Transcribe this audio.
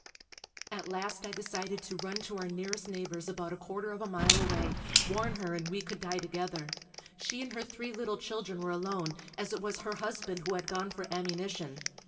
At last I decided to run to our nearest neighbor's about a quarter of a mile away, warn her and we could die together. She and her three little children were alone, as it was her husband who had gone for ammunition.